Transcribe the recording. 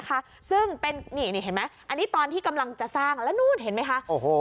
อันนี้ตอนที่กำลังจะสร้างแล้วนู่นเห็นไหมคะ